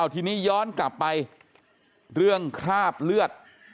ทีนี้ย้อนกลับไปเรื่องคราบเลือด